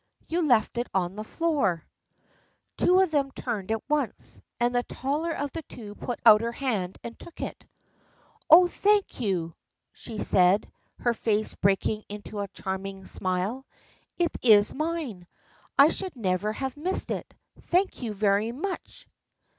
You left it on the floor." THE FRIENDSHIP OF ANNE 21 Two of them turned at once, and the taller of the two put out her hand and took it. " Oh, thank you !" she said, her face breaking into a charming smile. " It is mine ! I should never have missed it. Thank you very much